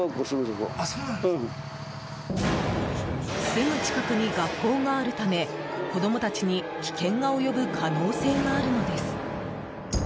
すぐ近くに学校があるため子供たちに危険が及ぶ可能性があるのです。